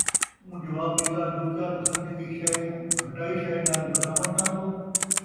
اُوں جواب ݙِتا جو کیا تُساں چنگی شَئے کوں گَھٹائی شَئے نال وَٹاوݨ چَہن٘دو،